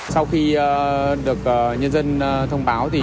sau khi được nhân dân thông báo